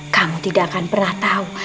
kamu tidak akan pernah tahu